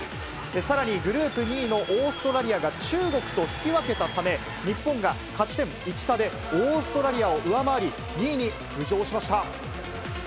さらにグループ２位のオーストラリアが中国と引き分けたため、日本が勝ち点１差でオーストラリアを上回り、２位に浮上しました。